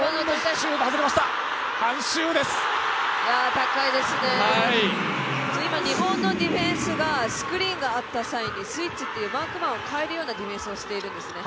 高いですね、今、日本のディフェンスがスクリーンがあった際にスイッチというマークマンを変えるようなディフェンスをしているんですね。